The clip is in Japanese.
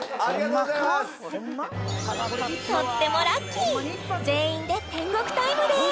とってもラッキー全員で天国タイムです